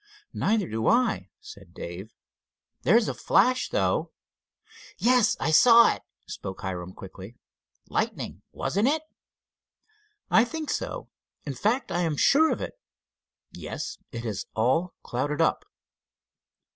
"Neither do I," said Dave. "There's a flash, though." "Yes, I saw it," spoke Hiram, quickly. "Lightning, wasn't it?" "I think so. In fact, I am sure of it. Yes, it has all clouded up."